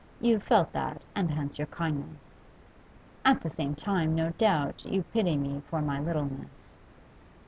You felt that, and hence your kindness. At the same time, no doubt, you pity me for my littleness.